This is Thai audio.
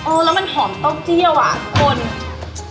โอ้แล้วมันหอมต้มเจี้ยวอะทุกคน